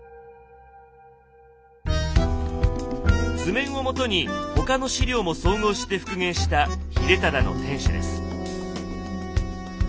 図面をもとに他の史料も総合して復元した秀忠の天守です。